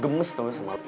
gemes tau gak sama lo